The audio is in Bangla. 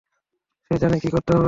সে জানে কী করতে হবে!